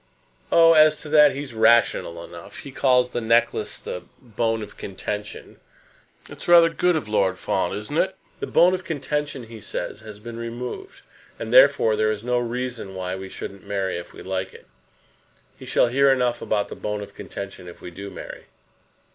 "Oh, as to that he's rational enough. He calls the necklace the bone of contention. That's rather good for Lord Fawn; isn't it? The bone of contention, he says, has been removed; and, therefore, there is no reason why we shouldn't marry if we like it. He shall hear enough about the bone of contention if we do 'marry.'"